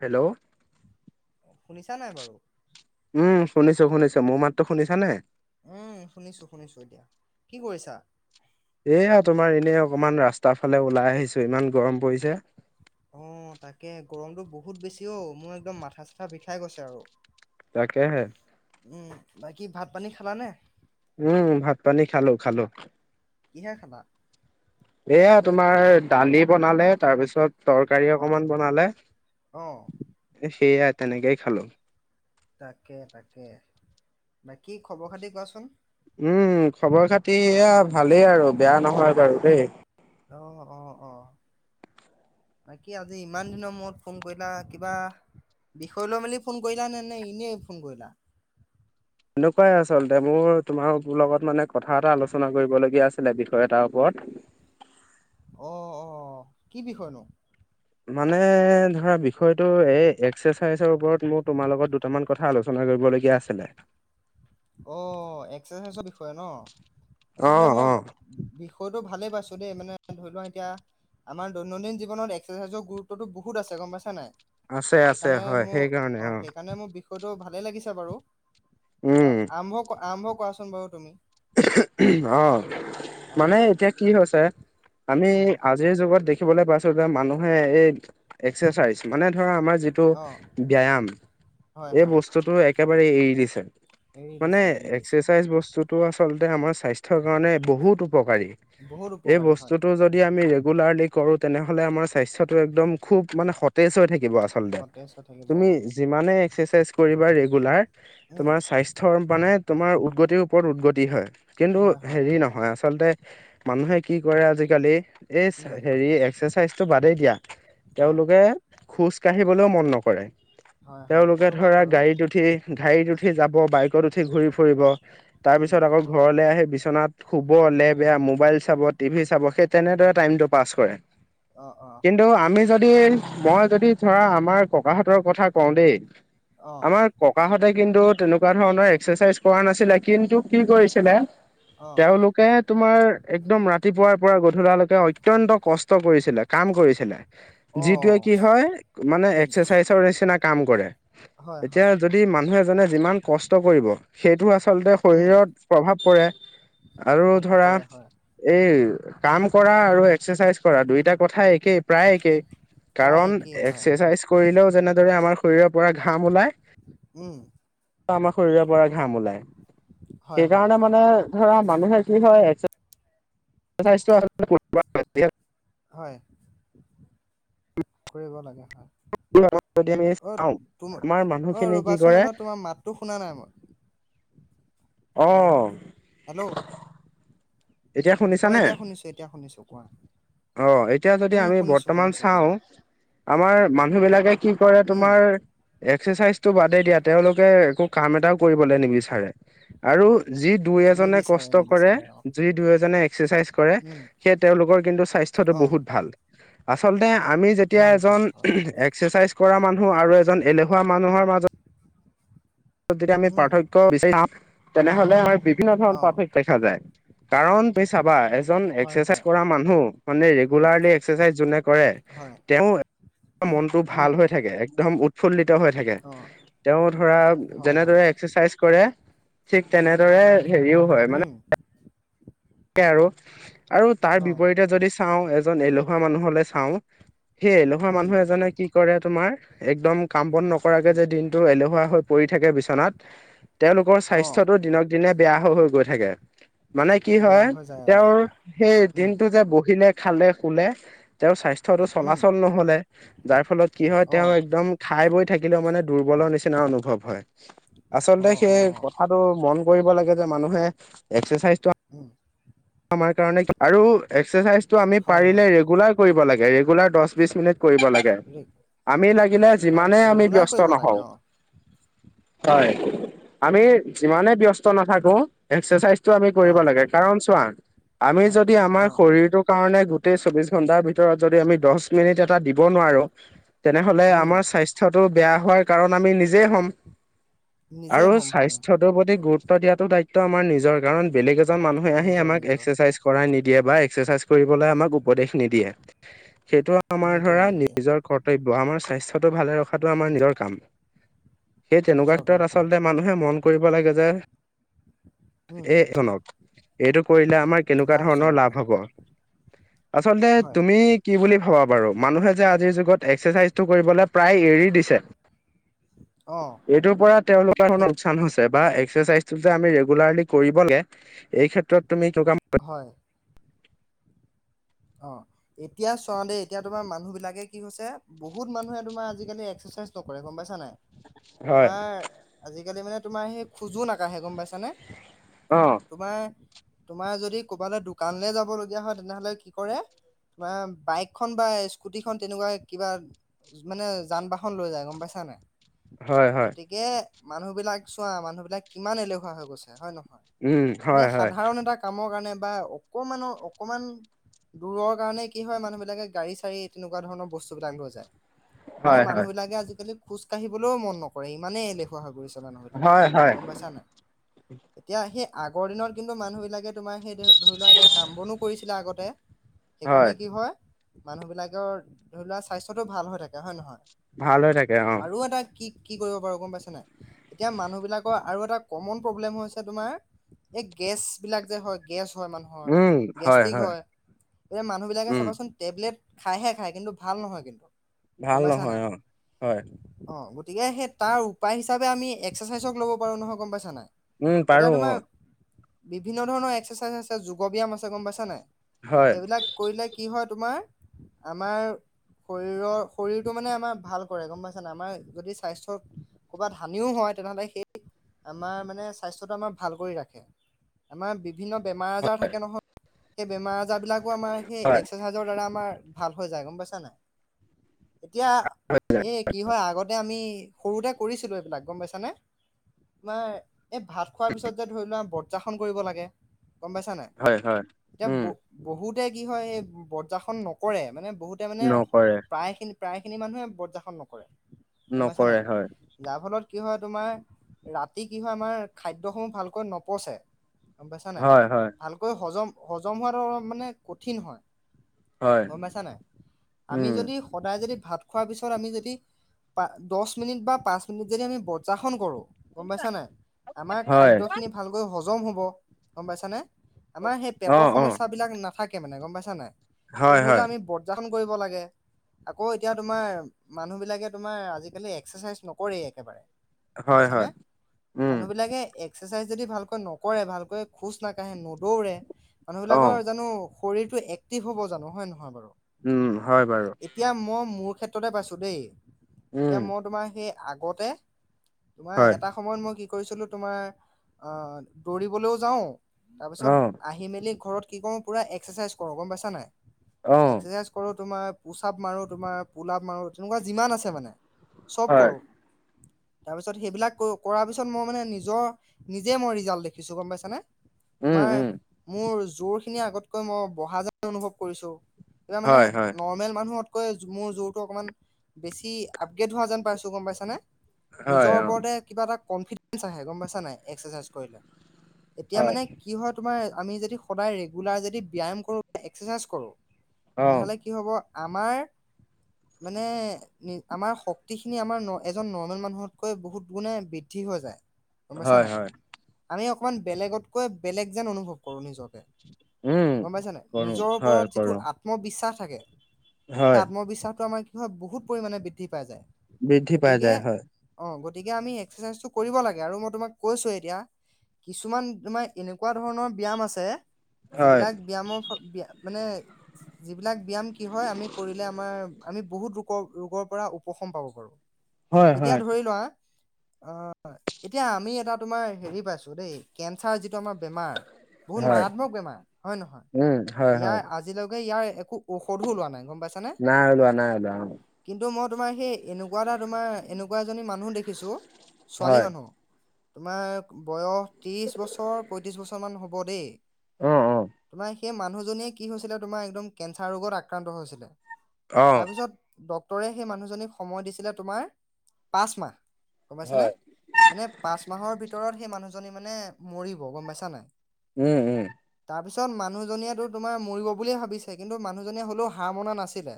Hello শুনিছা নাই, বাৰু উম শুনিছোঁ শুনিছোঁ মোৰ মাতো শুনিছা নে? উম শুনিছোঁ শুনিছোঁ এতিয়া কি কৰিছা? এয়া, তোমাৰ এনেই অকমান ৰাস্তাৰ ফালে ওলাই আহিছোঁ, ইমান গৰম পৰিছে। অ' তাকে গৰমতটো বহুত বেছি অ' মোৰ একদম মাথা- চাথা বিষাই গৈছ আৰু তাকে হে, উম্ বাকী ভাত-পানী খালানে? উম্ ভাত-পানী খালো খালো। কিহে খালা? এয়া, তোমাৰ দালি বনালে তাৰপিছত তৰকাৰী অ', অকমান বনালে, অ'। সেইয়াই তেনেকেই খালো। তাকে তাকে বাকি খবৰ-খাতি কোৱাচোন। উম্ খবৰ খাতি এয়া, ভালেই আৰু বেয়া নহয় বাৰু দেই। অ' অ' অ' বাকী আজি ইমান দিনৰ মূৰত ফোন কৰিলা কিবা বিষয় লৈ মেলি ফোন কৰিলা নে, নে এনেই ফোন কৰিলা? এনেকুৱাই আচলতে, মোৰ তোমাৰ লগত মানে কথা এটা অ', আলোচনা কৰিবলগীয়া আছিল। আছিলে বিষয় এটাৰ ওপৰত। অ' অ' কি বিষয়নো? মানে ধৰা, বিষয়টো এই এক্সাৰচাইজৰ ওপৰত মোৰ তোমাৰ লগত দুটামান কথা আলোচনা কৰিবলগীয়া আছিলে। [unintelligible] অ' এক্সাৰচাইজৰ বিষয়ে ন, আচলতে অ', মই অ', বিষয়টো ভালেই পাই ছোঁ। দেই মানে ধৰি লোৱা এতিয়া, আমাৰ দৈনন্দিন জীৱনত এক্সাৰচাইজৰ গুৰুত্বতো বহুত আছে গম পাইছা নাই। আছে আছে সেইকাৰণে হয়। মোৰ সেইকাৰণে অ' সেইকাৰণে মোৰ বিষয়টো ভালে লাগিছে বাৰু, উম, অ' আৰম্ভ আৰম্ভ কৰাচোন বাৰু তুমি, আহ অ মানে এতিয়া কি হৈছে, আমি উম আজিৰ যুগত দেখি দেখিবলৈ পাইছোঁ ধৰা, মানুহে এই এক্সাৰচাইজ মানে ধৰা আমাৰ যিটো অ ব্যায়াম। হয় এই হয় বস্তুটো একেবাৰে এৰি দিছে। এৰি মানে দিছে এৰি দিছে এক্সাৰচাইজ বস্তুটো আচলতে, আমাৰ স্বাস্থ্যৰ কাৰণে বহুত উপকাৰী বহুত এই উপকাৰী হয় বস্তুটো যদি আমি ৰেগুলাৰলি কৰোঁ তেনেহ'লে আমাৰ স্বাস্থ্যটো একদম খুব মানে স [unintelligible] হৈ থাকিব আচলতে সতেজ হৈ থাকিব অ তুমি যিমানে এক্সাৰচাইজ কৰিবা ৰেগুলাৰ উম তোমাৰ স্বাস্থ্যৰ মানে, তোমাৰ উদগতিৰ ওপৰত উদগতি হয়। কিন্তু হয় হয় হেৰি হয় নহয়, আচলতে মানুহে কি কৰে আজিকালি এই উম হেৰি এক্সাৰচাইজ টো বাদেই দিয়া। অ তেওঁলোকে খোজ কাঢ়িবলৈও মন নকৰে। হয় হয় তেওঁলোকে সেইটো হয় ধৰা বাৰু গাড়ীত উঠি গাড়ীত উঠি যাব বাই ত উঠি ঘূৰি ফুৰিব। তাৰ উম পিছত আকৌ ঘৰলৈ আহি বিচনাত। শুব লে বেয়া মোবাইল চাব টিভি চাব সেই তেনেদৰে টাইমটো পাছ কৰে। আহ অ' কিন্তু আমি যদি মই যদি ধৰা, আমাৰ ককাহঁতৰ কথা কওঁ দেই। অ আমাৰ ককাহঁতে কিন্তু তেনেকুৱা ধৰণৰ এক্সাৰচাইজ কৰা নাছিলে। কিন্তু কি অ কৰিছিলে। অ তেওঁলোকে তোমাৰ একদম ৰাতিপুৱাৰ পৰা গধূলালৈকে অত্যন্ত কষ্ট কৰিছিলে, কাম কৰিছিলে, অ যিটোৱে কি হয় মানে এক্সাৰচাইজৰ নিচিনা কাম কৰে। অ'। এতিয়া যদি মানুহ এজনে যিমান কষ্ট কৰিব সেইটো আচলতে উম শৰীৰত প্ৰভাৱ পৰে। আৰু প্ৰভাৱ ধৰা পৰে হয় এই কাম কৰা আৰু এক্সাৰচাইজ কৰা দুইটা কথা একেই প্ৰায় একেই প্ৰায় কাৰণ একেই হয় এক্সাৰচাইজ কৰিলেও যেনেদৰে আমাৰ শৰীৰৰ পৰা ঘাম ওলাই উম আমাৰ শৰীৰৰ পৰা ঘাম ওলাই। হয় হয় সেইকাৰণে হয় মানে ধৰা মানুহে কি হয়? [inaudible] হয় কৰিব লাগে হয়। য, আমি অ চাওঁ তুম আমাৰ অ মানুহখিনি কি ৰ'বাচোন কৰে? ৰ'বা তোমাৰ মাতটো শুনা নাই মই অ, হেল্ল'? হয় এতিয়া শুনিছো, এতিয়া শুনিছো। কোৱা আহ, এতিয়া যদি উম আমি শুনিছো বৰ্তমান শুনিছো কোৱা চাওঁ আমাৰ মানুহ বিলাকে কি কৰে উম তোমাৰ এক্সাৰচাইজ টো বাদেই দিয়া তেওঁলোকে একো কাম এটাও কৰিবলৈ নিবিচাৰে আৰু যি দুই, এজনে নিবিচাৰে কষ্ট কৰে। নিবিচাৰে অ দুইহজনে এক এক্সাচাইজ কৰে উম সে তেওঁলোকৰ স্বাস্থ তো অ বহুত ভাল, আচলতে আমি যেতিয়া ভাল এজন ভাল এজন হয় এক্সাৰচাইজ কৰা মানুহ আৰু এজন এলেহুৱা মানুহৰ মাজত যদি আমি উম পাৰ্থক্য বিচাৰিম তেনেহলে আমাৰ বিভিন্ন ধৰণৰ অ পাৰ্থক্য দেখা যায়। কাৰণ তুই চাবা হয় এক্সেৰচাইজ হয় কৰা মানুহ মানে উম ৰেগুলাৰলি এক্সেৰচাইজ যোনে কৰে হয় তেওঁ মনটো উম ভাল হৈ থাকে একদম উৎফুল্লিত হৈ থাকে অ তেওঁ ধৰা হয় হয় যেনেদৰে এক্সাৰচাইজ কৰে ঠিক তেনেদৰে হেৰিও হয় উম মানে তাকে আৰু, আৰু তাৰ অ বিপৰীতে যদি চাওঁ এজন এলেহুৱা মানুহলে চাওঁ সেই এলেহুৱা উম মানুহ এজনে কি কৰে তোমাৰ একদম কাম বন নকৰাকে উম যে দিনটো এলেহুৱা হৈ পৰি থাকে বিচনাত তেওঁলোকৰ অ স্বাস্থ্যটো দিনক দিনে বেয়া হৈ গৈ থাকে মানে। কি বেয়া হয় হৈ যায় অ তেওঁৰ সেই উম দিনটো যে বহিলে খালে, খুলে তেওঁৰ স্বাস্থ্যটো উম চলাচল নহলে যাৰ ফলত কি হয় অ তেওঁ একদম খাই বৈ থাকিলেও মানে দুৰ্বল নিচিনা অনুভৱ। অ আচলতে সেই অ কথাটো মন কৰিব লাগে যে মানুহে একাৰচাইজ উম। আমাৰ কাৰণে কি আৰু এক্সাৰচাইজটো আমি হয়, পাৰিলে হয়, ৰেগুলাৰ কৰিব লাগে। ৰেগুলাৰ দহ, বিশ মিনিট কৰিব লাগে ৰে আমি লাগিলে হয়, যিমানে আমি ৰেগুলাৰ ব্যস্ত কৰিব লাগে নহওঁ। অ', উম, হয়। আমি যিমানে ব্যস্ত নাথাকো এক্সাৰচাইজ টো আমি কৰিব অ', লাগে কাৰণ চোৱা আমি হয়, যদি আমাৰ অ', শৰীৰটো কাৰণে গোতেই চৌবিশ ঘন্টাৰ ভিতৰত যদি আমি দহ মিনিট এটা দিব নোৱাৰো। তেনেহলে উম, আমাৰ স্বাস্থ্যটো বেয়া হোৱাৰ কাৰণ আমি নিজেই হ'ম। নিজে আৰু হ'ম হয়, স্বাস্থ্যটোৰ প্ৰতি গুৰুত্ব দিয়াত দায়িত্ব আমাৰ নিজৰ কাৰণ বেলেগ এজন মানুহে আহি নিজৰ আমাক নিজৰ এক্সাৰচাইজ কৰা নিদিয়ে বা এক্সাৰচাইজ কৰিবলৈ আমাক উপদেশ নিদিয়ে সেইটো আমাৰ নিদিয়ে ধৰা নিদিয়ে নিজৰ কৰ্তব্য আমাৰ স্বাস্থ্টো ভালে ৰখাটো আমাৰ উম, নিজৰ কাম। সেই তেনেকুৱা নিজৰ কাম ক্ষেত্ৰত হয়, আচলতে মানুহে মন কৰিব লাগে যে উম, এই শুনক এইটো কৰিলে আমাৰ কেনেকুৱা ধৰণৰ লাভজনক লাভ হয়, হ'ব। আচলতে হয়, তুমি কি বুলি ভাবা বাৰু মানুহে যে আজিৰ যুগ [unintelligible] এক্সাৰচাইজটো কৰিবলে প্ৰায় এৰি দিছে। অ', এইটোৰ পৰা তেওঁলোকৰ সেই [unintelligible] লোকচান হৈছে। বা এক্সাৰচাইজটো যে আমি ৰেগুলাৰলি কৰিব লাগে, এই ক্ষেত্ৰত তুমি [unintelligible] হয়, অ' এতিয়া চোৱা দেই এতিয়া তোমাৰ মানুহবিলাকে কি হৈছে, বহুত মানুহে তোমাৰ আজিকালি এক্সেছ ছেজ নকৰে গ'ম পাইছা নাই। হয় তোমাৰ আজিকালি মানে তোমাৰ সেই খোজো নাকাঢ়ে গ'ম পাইছানে। অ' তোমাৰ তোমাৰ যদি ক'বালে দোকানলে যাব লগীয়া হয় তেনেহ'লে কি কৰে তোমাৰ বাইকখন বা স্কুটিখন তেনেকুৱা কিবা মানে যান বাহন লৈ যায় গ'ম পাইছা নাই। হয় হয় গতিকে মানুহবিলাক চোৱা মানুহ বিলাক কিমান এলেহুৱা হৈ গৈছে হয় নহয়। উম এনে হয় হয়। সাধাৰণ এটা কামৰ কাৰণে বা অকমানৰ অকমান দূৰৰ কাৰণে কি হয় মানুহবিলাকে গাড়ী-চাড়ী তেনেকুৱা ধৰণৰ বস্তুবিলাক লৈ যায়। হয় মানে হয় মানুহবলাকে আজিকালি খোজ কাঢ়িবলৈও মন নকৰে ইমানেই এলেহুৱা গৈছ মানুহবিলাক, হয় হয় গ'ম পাইছা নাই। [unintelligible] এতিয়া সেই আগৰ দিনত কিন্তু মানুহবিলাকে তোমাৰ সেই ধ-ধৰি লোৱা এতিয়া কাম বনো কৰিছিলে আগতে। সেইকাৰণে কি হয় মানুহবিলাকৰ ধৰি লোৱা স্বাস্থ্যটো ভাল হৈ থাকে হয় নহয়। ভাল হৈ থাকে অ'। আৰু এটা কি কৰিব পাৰোঁ গ'ম পাইছা নাই, এতিয়া মানুহ বিলাকৰ আৰু এটা কমন প্ৰব্লেম হৈছে তোমাৰ এই গেছ বিলাক যে হয় গেছ হয় মানুহৰ, গেষ্টিক হয়। এই মানুহবিলাকে উম চাবা চোন টেব [unintelligible] খাইহে খাই কিন্তু ভাল নহয় কিন্তু। গম ভাল পাইছা নহয় নাই অ' হয়। অ গতিকে সেই তাৰ উপায় হিচাপে আমি এক্সাৰচাইজক ল'ব পাৰোঁ নহয় গ'ম পাইছা নাই। উম, এতিয়া পাৰোঁ তোমাৰ অ'। বিভিন্ন ধৰণৰ এক্সাৰচাইজ আছে যোগ ব্যায়াম আছে গ'ম পাইছা নাই, হয় সেইবিলাক কৰিলে কি হয় তোমাৰ, আমাৰ শৰীৰৰ শৰীৰটো মানে আমাৰ ভাল কৰে গ'ম পাইছা নাই, আমাৰ যদি স্বাস্থ্যত ক'ৰবাত হানিও হয় তেনেহ'লে সেই আমাৰ মানে স্বাস্থ্যতো আমাৰ ভাল কৰি ৰাখে। আমাৰ বিভ বিভিন্ন বেমাৰ আজাৰ হয় থাকে নহয়। সেই বেমাৰ আজাৰবিলাকো আমাৰ সেই এক্সাৰচাইজৰ দ্বাৰা আমাৰ ভাল হৈ যায় গ'ম পাইছা নাই। এতিয়া, হয় এই কি হয় আগতে আমি সৰুতে কৰিছিলোঁ এইবিলাক গ'ম পাইছানে। তোমাৰ এই ভাত খোৱাৰ পিছত যে ধৰি লোৱা বত যাসন কৰিব লাগে। গম পাইছা নাই হয় হয়। এতিয়া উম ব-বহুতে কি হয় এই বজ্ৰাসন নকৰে মানে বহুতে মানে নকৰে প্ৰায় খিনি প্ৰায়খিনি মানুহে বজ্ৰাসন নকৰে, গ'ম পাইছা নাই। নকৰে হয় যাৰ ফলত কি হয় তোমাৰ, ৰাতি কি হয় আমাৰ খাদ্যসমূহ ভালকৈ নপচে। গ'ম পাইছা নাই, হয় হয় ভালকৈ হজম-হজম হোৱাধৰন মানে কঠিন হয়। হয় গ'ম পাইছা নাই। আমি উম যদি সদায় যদি ভাত খোৱাৰ পিছত আমি যদি পা-দশ মিনিট বা পাঁচ মিনিট যদি আমি বজ্ৰাসন কৰোঁ। গ'ম পাইছা নাই, আমাৰ হয় খাদ্যখিনি ভালকৈ হজম হ'ব, গ'ম পাইছানে। আমাৰ সেই অ পেটৰ অ সমস্যা বিলাক নাথাকে মানে গ'ম পাইছা নাই, হয় ধৰি লোৱা হয় আমি বজ্ৰাস [unintelligible] কৰিব লাগে। আকৌ এতিয়া তোমাৰ মানুহবিলাকে তোমাৰ আজিকালি এক্সাৰচাইজ নকৰেই একেবাৰে। গ'ম হয় পাইছানে, হয় উম মানুহবিলাকে এক এক্সাৰচাইজ যদি ভালকৈ নকৰে, ভালকৈ খোজ নাকাঢ়ে, নদৌৰে অ মানুহবিলাকৰ জানো শৰীৰটো এক্টিভ হ'ব জানো হয় নহয় বাৰু। উম, হয় বাৰু। এতিয়া মই মোৰ ক্ষেত্ৰতে পাইছো দেই, এতিয়া উম মই তোমাৰ সেই আগতে তোমাৰ হয় এটা সময়ত মই কি কৰিছিলো তোমাৰ, আ, দৌৰিবলৈও যাও তাৰ পিছত অ আহি মেলি ঘৰত কি কৰো পুৰা এক্সাৰচাইজ কৰো গম পাইছা নাই। অ এক্সাৰচাইজ কৰো তোমাৰ পোচাপ মাৰো তোমাৰ পোলাপ মাৰো তেনেকুৱা যিমান আছে মানে চব হয় কৰোঁ। তাৰ পিছত সেইবিলাক কৰাৰ পিছত মই মানে নিজৰ নিজে মই ৰিজাল্ট দেখিছো গম পাইছ নে। উম তোমাৰ উম মোৰ জোৰ খিনি আগতকৈ মই বহা যেন অনুভৱ কৰিছো। এয়া মানে হয় হয় নৰ্মেল মানুহত মোৰ জোৰ টো অকনমান বেছি আপগ্ৰেড হোৱা যেন পাইছো গম পাইছানে। হয় নিজৰ অ ওপৰতে কিবা এটা কনফিডেে গম পাইছানে এক্সাৰচাইজ কৰিলে। এতিয়া হয় মানে কি হয় তোমাৰ আমি যদি সদায় ৰেগুলাৰ যদি ব্যায়াম কৰো এক কৰো। অ তেনেহলে কি হ'ব আমাৰ। মানে আমাৰ শক্তি খিনি আমাৰ এজন নৰ্মেল মানুহতকৈ বহুত গুণে বৃদ্ধি হৈ যায় গম পাইছা হয় নাই হয় আমি অকমান বেলেগতকৈ, বেলেগ যেন অনুভৱ কৰো নিজকে। উম গম পাইছ ন, কৰো নিজৰ হয় ওপৰত যিটো কৰো আত্মবিশ্বাস থাকে, সেই হয় আত্মবিশ্বাসটো আমাৰ কি হয় বহুত পৰিমণে বৃদ্ধি পাই যায়। বৃদ্ধি পাই গতিকে যায় হয়। অ' গতিকে আমি এক্সাৰচাইজটো কৰিব লাগে আৰু মই তোমাক কৈছোৱে এতিয়া। কিছুমান আমাৰ এনেকুৱা ধৰণৰ ব্যয়ায়াম আছে হয় যিবিলাক ব্যয়ামৰ মানে যিবিলাক ব্যয়াম কি হয় আমি কৰিলে আমাৰ আমি বহুত ৰোগৰ ৰোগৰ পৰা উপশম পাব পাৰো। হয় এতিয়া হয় ধৰি লোৱা অ, এতিয়া আমি এটা তোমাৰ হেৰি পাইছো দেই কেঞ্চাৰ যিটো আমাৰ বেমাৰ বহুত হয় মাৰাত্মক বেমাৰ হয় নহয়। উম হয় হয় ইয়াৰ আজিলৈকে ইয়াৰ একো ঔষধো লোৱা নাই গম পাইছানে নাই ওলোৱা নাই ওলোৱা অ কিন্তু কিন্তু মই তোমাৰ সেই এনেকুৱা এটা তোমাৰ এনেকুৱা এজনী মানুহ দেখিছো ছোৱালী হয় মানুহ তোমাৰ বয়স ত্ৰিশ বছৰ, পয়ত্ৰিশ বছৰ মান হ'ব দেই অ অ তোমাৰ। সেই মানুহ কি হৈছিল তমাৰ কোৰ ৰোগত আক্ৰান্ত হৈ উৰে, অ সেই মানুহজনীক সময় দিছিলে তোমাৰ পাঁচ মাহ গম পাইছা নে হয় মানে পাঁচ মাহৰ ভিতৰত সেই মানুহজনী মানে মৰিব গম পাইছা নাই। উম, উম। তাৰপিছত মানুহজনীয়েো তোমাৰ মৰিব বুলিয়ে ভাবিছে কিন্তু মানুহজনীয়ে হ'লেও হাৰ মনা নাছিলে।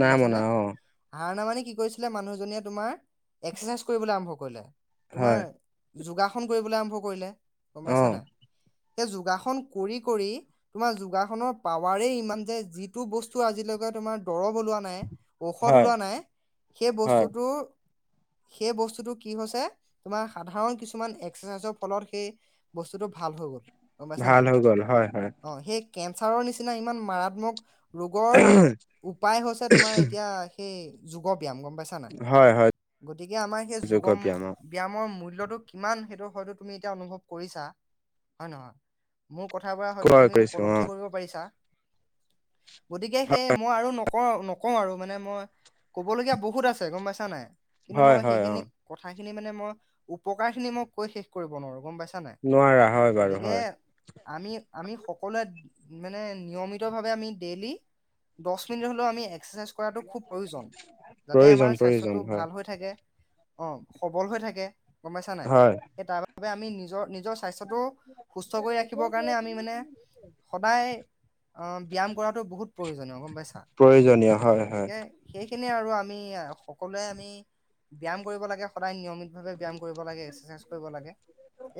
গম নাই পাইছ নে মনা অ আহাৰ ন মানে কি কৰিছিলে মানুহজনীয়ে তোমাৰ এক্সাৰচাইজ কৰিবলৈ আৰম্ভ কৰিলে তোমাৰ হয় যোগাসন কৰিবলৈ আৰম্ভ কৰিলে গম অ পাইছা নাই। স, যোগাসন কৰি কৰি তোমাৰ যোগাসনৰ পাৱাৰে ইমান যোয় যিটো বস্তু আজিলৈকে তোমাৰ দৰব ওলোৱা নাই, ঔষধ, হয় ওলোৱা নাই সেই হয় বস্তুটো সেই বস্তুটো কি হৈছে তোমাৰ সাধাৰণ কিছুমান এক্সাৰচাইজৰ ফলত সেই বস্তুতটো ভাল হৈ গ'ল। গম পাইছা ভাল নাই হৈ গ'ল হয়, হয়। অ সেই কেঞ্চাৰৰ নিচিনা ইমান মাৰাত্মক ৰোগৰ উপায় হৈছে তোমাৰ এতিয়া। সেই যোগ ব্যয়াম গম পাইছা নাই হয় হয় গতিকে আমাৰ সেই যোগ ব্যায়াম অ ব্যয়ামৰ মূল টো কিমান সেইটো হয়তো তুমি এতিয়া অনুভৱ কৰিছা হয়ে, নহয়। মোৰ কথ বুৰা হয়তো কয় তুমি কৰিছো অ উপলব্ধি কৰিব পাৰিছা। গতিকে সেই, মই আৰু নকওঁ, নকওঁ, আৰু মানে মই ক'বলগীয়া বহুত আছে গম পাইছা নাই। কিন্তু হয় মই হয় অ সেইখিনি কথাখিনি মানে মই উপকাৰ খিনি মই কৈ শেষ কৰিব নোৱাৰো গম পাইছো। নোৱাৰা হয় বাৰু হয়। আমি, আমি সকলোৱে মানে নিয়মিতভাৱে আমি ডেইলি দহ মিনিট হলেও আমি এক্সাৰচাইজ কৰাটো খুব প্ৰয়োজন যাতে আমাৰ প্ৰয়োজন প্ৰয়োজন স্বাস্থ্যটো হয় ভাল হৈ থাকে। অ, সবল হৈ থাকে গমাইছা নাই হয় সেই তাৰ বাবোবে আমি নিজৰ নিজৰ স্বাস্থ্য টো সুস্থ কৰি ৰাখিবৰ কাৰণে আমি মানে সদায় অ', ব্যায়াম কৰাতটো বহুত প্ৰয়োজনীয় গম পাইছা। হয়, প্ৰয়োজনীয় হয়। গতিকে সেইখিনিয়ে আৰু আমি সকলোৱে আমি ব্যায়াম কৰিব লাগে সদায় নিয়মিতভাৱে ব্যায়াম কৰিব লাগে, এক্সাৰচাইজ কৰিব লাগে।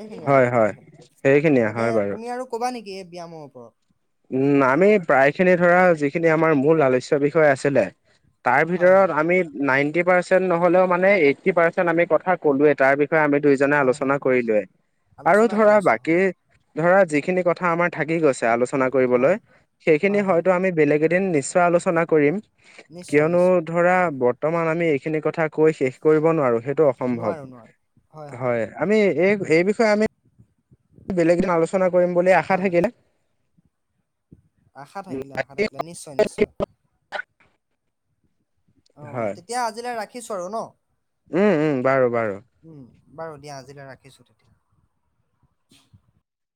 এইখিনিয়ে আৰু হয়, হয়। কথাখিনি সেইখিনিয়ে। তাকে, হয় বাৰু তুমি আৰু ক'বা নেকি এই ব্যায়ামৰ ওপৰত? উম, আমি প্ৰায়খিনি ধৰা যিখিনি আমাৰ মূল আলোচ্য বিষয়ে আছিলে হয় তাৰভিতৰত হয় আমি নাইণ্টি পাৰ্চেন্ট নহ'লেও মানে এইটি পাৰ্চেণ্ট আমি কথা ক'লোৱেই। তাৰবি ষয়ে আমি দুইজনে হয় আলোচনা হয় কৰিলোৱে, আৰু আলোচনা ধৰা কৰিছোঁ বাকী হয় ধৰা যিখিনি কথা আমাৰ থাকি গৈছে আ লোচনা কৰিবলৈ, হয় সেইখিনি হয় হয় হয়তো আমি বেলেগ এদিন নিশ্চয় আলোচনা কৰিম। নিশ্চয় কিয়নো নিশ্চয় ধৰা, বৰ্তমান আমি এই খিনি কথা কৈ শেষ কৰিব নোৱাৰোঁ সেইটো অসম্ভৱ হয়, আমি এই, এই বিষ আমি, [unintelligible] বেলেগ দিনা আলোচনা কৰিম বুলি আশা হয় থাকিলে। আশা থাকিলে, আশা থাকিলে, নিশ্চয়, নিশ্চয়। অ', হয় তেতিয়া আজিলৈ ৰাখিছোঁ আৰু ন! উম, উম, বাৰু, বাৰু। উম, বাৰু দিয়া আজিলৈ ৰাখিছোঁ তেতিয়া।